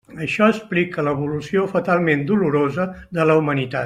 Això explica l'evolució fatalment dolorosa de la humanitat.